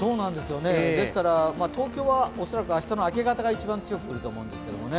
ですから東京は明日の明け方が一番強く降ると思います。